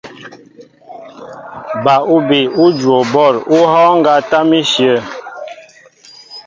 Ba úbi ú juwo bɔ̂l ú hɔ́ɔ́ŋ ŋgá tâm íshyə̂.